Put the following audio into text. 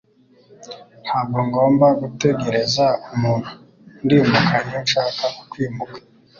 Ntabwo ngomba gutegereza umuntu, ndimuka iyo nshaka kwimuka.”